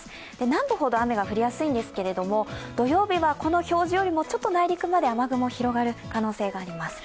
南部ほど雨が降りやすいんですけど、土曜日はこの表示よりも内陸まで雨雲が広がる可能性があります。